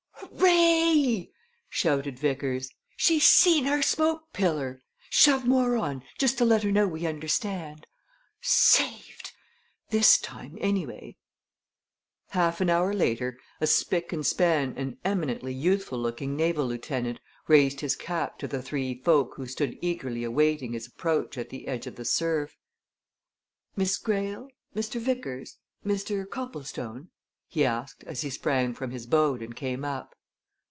"Hooray!" shouted Vickers. "She's seen our smoke pillar! Shove more on, just to let her know we understand. Saved! this time, anyway." Half an hour later, a spick and span and eminently youthful looking naval lieutenant raised his cap to the three folk who stood eagerly awaiting his approach at the edge of the surf. "Miss Greyle? Mr. Vickers? Mr. Copplestone?" he asked as he sprang from his boat and came up.